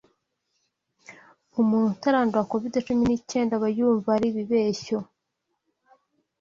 Umuntu utarandura covid cumi n'icyenda aba yumva ari ibi beshyo